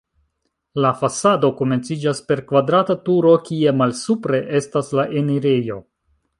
La fasado komenciĝas per kvadrata turo, kie malsupre estas la enirejo.